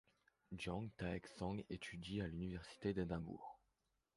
Jang Taek-sang étudie à l'université d'Édimbourg.